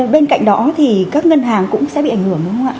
bên cạnh đó thì các ngân hàng cũng sẽ bị ảnh hưởng đúng không ạ